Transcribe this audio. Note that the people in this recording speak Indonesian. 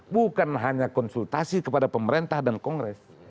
bukan hanya konsultasi kepada pemerintah dan kongres